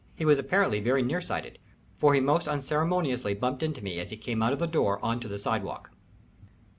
He was apparently very near sighted, for he most unceremoniously bumped into me as he came out of the door on to the sidewalk.